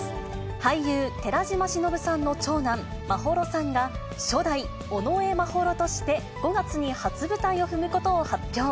俳優、寺島しのぶさんの長男、眞秀さんが、初代尾上眞秀として５月に初舞台を踏むことを発表。